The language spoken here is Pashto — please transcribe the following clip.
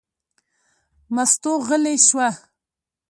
مستو غلې شوه.